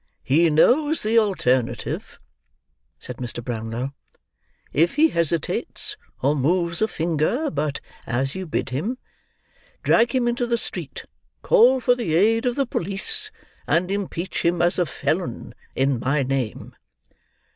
"He knows the alternative," said Mr. Browlow. "If he hesitates or moves a finger but as you bid him, drag him into the street, call for the aid of the police, and impeach him as a felon in my name."